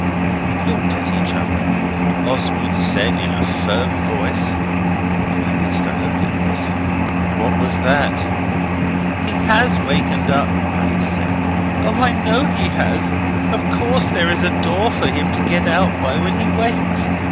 We looked at each other, and Oswald said in a firm voice (at least, I hope it was) 'What was that?' 'He HAS waked up,' Alice said. 'Oh, I know he has. Of course there is a door for him to get out by when he wakes.